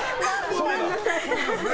ごめんなさい。